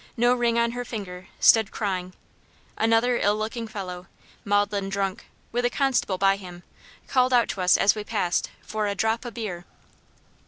no ring on her finger, stood crying; another ill looking fellow, maudlin drunk, with a constable by him, called out to us as we passed for "a drop o' beer."